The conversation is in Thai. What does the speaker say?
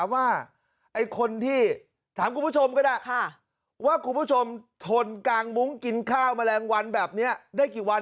ว่าคุณผู้ชมทนกลางบุ้งกินข้าวแมลงวันแบบเนี้ยได้กี่วัน